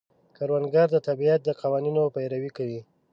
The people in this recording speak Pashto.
کروندګر د طبیعت د قوانینو پیروي کوي